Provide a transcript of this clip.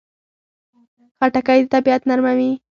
خټکی د طبعیت نرموي.